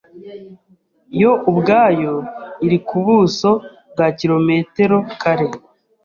Yo ubwayo iri ku buso bwa kirometerokare